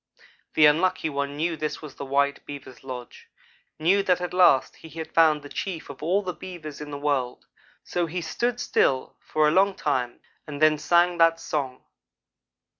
The Unlucky one knew this was the white Beaver's lodge knew that at last he had found the chief of all the Beavers in the world; so he stood still for a long time, and then sang that song.